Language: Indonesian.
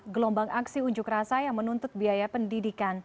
gelombang aksi unjuk rasa yang menuntut biaya pendidikan